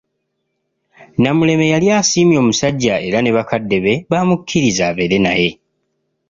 Namuleme yali asiimye omusajja era ne bakadde be baamukkiriza abeere naye.